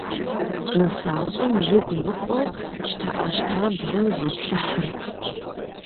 Нысащӏэм игу ныкъуэу, щтэӏэщтаблэу зиплъыхьырт.